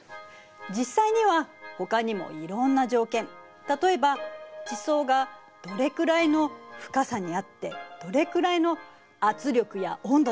実際にはほかにもいろんな条件例えば地層がどれくらいの深さにあってどれくらいの圧力や温度なのか。